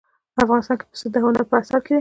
افغانستان کې پسه د هنر په اثار کې دي.